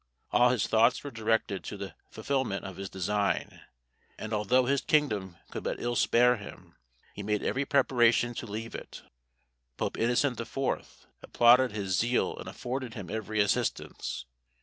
All his thoughts were directed to the fulfilment of his design, and although his kingdom could but ill spare him, he made every preparation to leave it. Pope Innocent IV. applauded his zeal and afforded him every assistance.